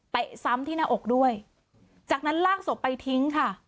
ซ้ำที่หน้าอกด้วยจากนั้นลากศพไปทิ้งค่ะ